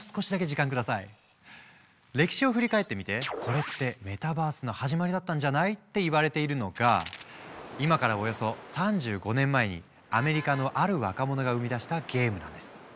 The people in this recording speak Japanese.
歴史を振り返ってみてこれってメタバースの始まりだったんじゃない？って言われているのが今からおよそ３５年前にアメリカのある若者が生み出したゲームなんです。